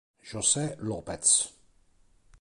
José López